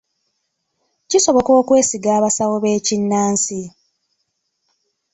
Kisoboka okwesiga abasawo b'ekinnansi?